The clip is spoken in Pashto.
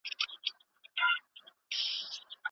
خيالونه بايد د حقيقت په رڼا کي وي.